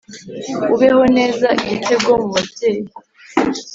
Ubeho neza gitego mu babyeyi